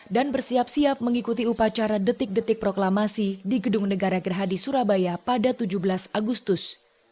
dan bersiap siap mengikuti upacara detik detik proklamasi di gedung negara gerhadi surabaya pada tujuh belas agustus